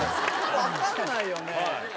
分かんないよね。